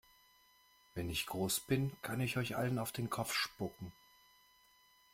Wenn ich groß bin, kann ich euch allen auf den Kopf spucken!